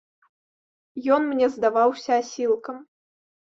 Ён мне здаваўся асілкам.